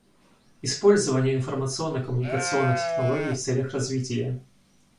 Использование информационно-коммуникационных технологий в целях развития.